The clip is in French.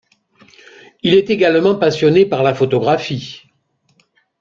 Il est également passionné par la photographie.